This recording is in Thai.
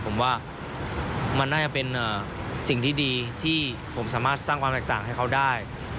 ผมว่ามันน่าจะเป็นสิ่งที่ดีที่ผมสามารถสร้างความแตกต่างให้เขาได้